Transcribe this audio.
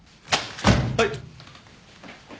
はい。